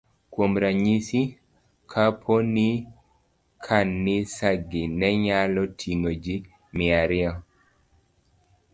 Kuom ranyisi, kapo ni kanisagi ne nyalo ting'o ji mia ariyo,